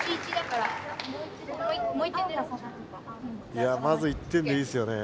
いやまず１点でいいですよね。